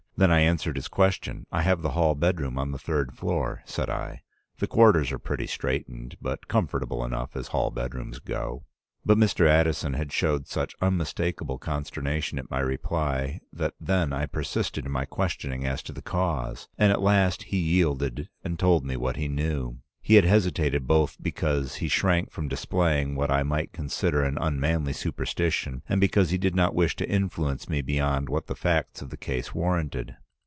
Then I answered his question. 'I have the hall bedroom on the third floor,' said I. 'The quarters are pretty straitened, but comfortable enough as hall bedrooms go.' "But Mr. Addison had showed such unmistakable consternation at my reply that then I persisted in my questioning as to the cause, and at last he yielded and told me what he knew. He had hesitated both because he shrank from displaying what I might consider an unmanly superstition, and because he did not wish to influence me beyond what the facts of the case warranted.